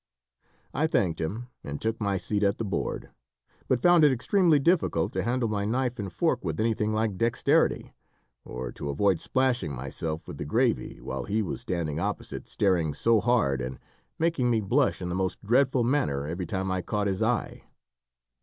I thanked him, and took my seat at the board; but found it extremely difficult to handle my knife and fork with anything like dexterity, or to avoid splashing myself with the gravy, while he was standing opposite, staring so hard, and making me blush in the most dreadful manner every time I caught his eye.